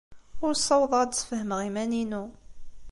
Ur ssawḍeɣ ad d-sfehmeɣ iman-inu.